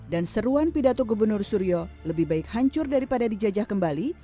dan seruan pidato gubernur suryo lebih baik hancur daripada dijajah kembali